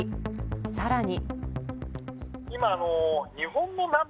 さらに。